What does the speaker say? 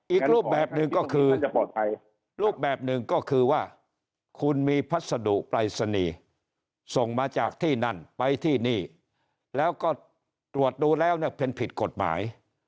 อีกรูปแบบหนึ่งก็คือรูปแบบหนึ่งก็คือว่าคุณมีพัสดุปรายศนีย์ส่งมาจากที่นั่นไปที่นี่แล้วก็ตรวจดูแล้วเนี่ยเป็นผิดกฎหมาย